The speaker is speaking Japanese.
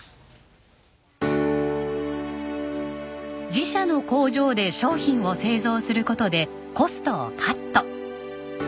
自社の工場で商品を製造する事でコストをカット。